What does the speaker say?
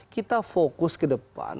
kita fokus ke depan